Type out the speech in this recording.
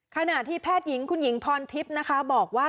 ขณะที่แพทยิงคุณหญิงพรทิพย์บอกว่า